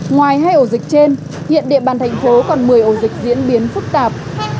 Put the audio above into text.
ngoài hai ổ dịch trên hiện địa bàn thành phố còn một mươi ổ dịch diễn biến phức tạp